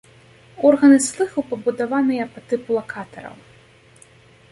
Органы слыху пабудаваны па тыпу лакатараў.